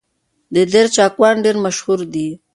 د دير چاکوان ډېر مشهور دي